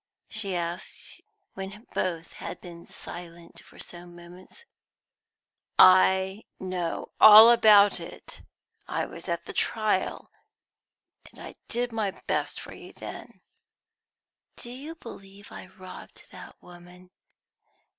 she asked, when both had been silent for some moments. "I know all about it. I was at the trial, and I did my best for you then." "Do you believe that I robbed that woman?"